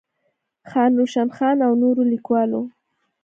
خان روشن خان او نورو ليکوالو